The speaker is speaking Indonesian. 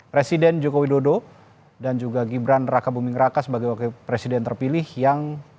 presiden joko widodo dan juga gibran raka buming raka sebagai wakil presiden terpilih yang